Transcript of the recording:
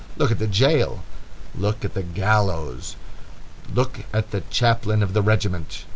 Look at the jail! Look at the gallows! Look at the chaplain of the regiment!